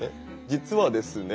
実はですね